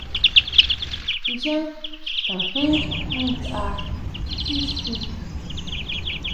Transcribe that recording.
Yá xkajén nkʼa ti tí.